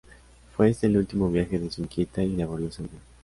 Fue este el último viaje de su inquieta y laboriosa vida.